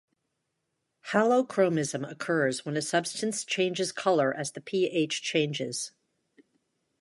Halochromism occurs when a substance changes color as the pH changes.